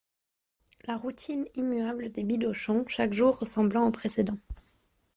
La routine immuable des Bidochon, chaque jour ressemblant au précédent.